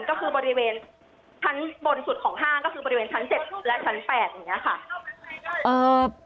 ก็คือบริเวณชั้นบนสุดของห้างก็คือบริเวณชั้น๗และชั้น๘อย่างนี้ค่ะ